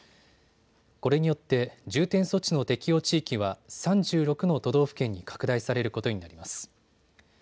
これによって重点措置の適用地域は３６の都道府県に拡大されることになります。